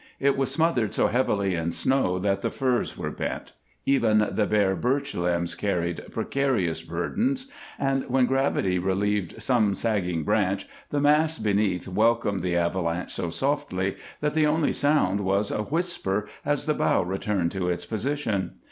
It was smothered so heavily in snow that the firs were bent; even the bare birch limbs carried precarious burdens, and when gravity relieved some sagging branch the mass beneath welcomed the avalanche so softly that the only sound was a whisper as the bough returned to its position.